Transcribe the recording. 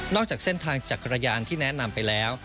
จากเส้นทางจักรยานที่แนะนำไปแล้ว